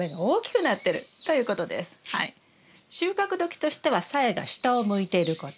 収穫時としてはさやが下を向いていること。